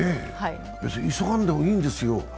別に急がんでもいいんですよ。